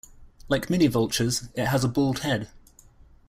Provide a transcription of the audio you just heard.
Like many vultures, it has a bald head.